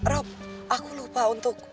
rob aku lupa untuk